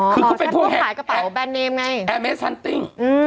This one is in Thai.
คือเขาเป็นพวกขายกระเป๋าแบรนเนมไงแอร์เมสซันติ้ง